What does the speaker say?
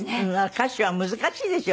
歌詞は難しいですよ